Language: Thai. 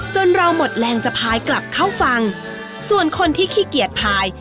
เราหมดแรงจะพายกลับเข้าฝั่งส่วนคนที่ขี้เกียจพาย